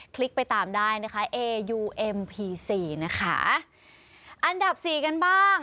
ลิกไปตามได้นะคะเอยูเอ็มพีซีนะคะอันดับสี่กันบ้าง